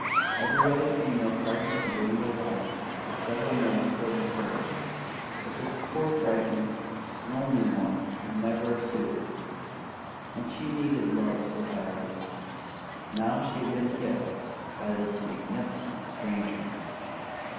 Every other female cardinal in Rainbow Bottom had several males courting her, but this poor, frightened, lonely one had never a suitor; and she needed love so badly! Now she had been kissed by this magnificent stranger!